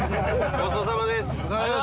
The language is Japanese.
ごちそうさまです。